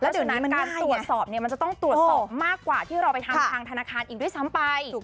เดี๋ยวนั้นการตรวจสอบเนี่ยมันจะต้องตรวจสอบมากกว่าที่เราไปทำทางธนาคารอีกด้วยซ้ำไป